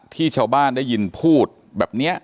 ที่ชาวบ้านได้ยินพูดแบบนี้